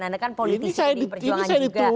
anda kan politisi pdi perjuangan juga